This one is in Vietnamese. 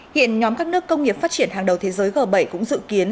hiện nhóm các nước công nghiệp phát triển hàng đầu thế giới g bảy cũng dự kiến